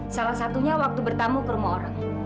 salah satunya waktu bertamu ke rumah orang